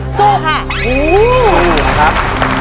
สู้ค่ะโอ้ครับ